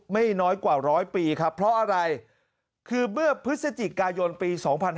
ไม่น้อยกว่าร้อยปีครับเพราะอะไรคือเมื่อพฤศจิกายนปี๒๕๕๙